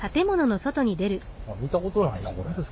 見たことないなこれ。